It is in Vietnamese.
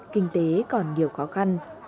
kinh tế còn nhiều khó khăn